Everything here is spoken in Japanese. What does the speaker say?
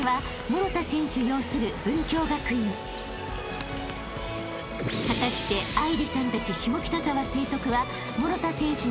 ［果たして愛梨さんたち下北沢成徳は］